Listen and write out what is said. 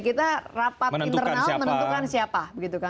kita rapat internal menentukan siapa